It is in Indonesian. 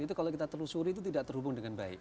itu kalau kita telusuri itu tidak terhubung dengan baik